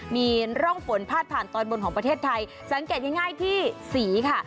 มีร่องฝนพาดผ่านตอนบนของประเทศไทยสังเกตง่ายที่สีค่ะ